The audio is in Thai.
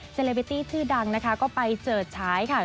เลบิตี้ชื่อดังนะคะก็ไปเจิดฉายค่ะ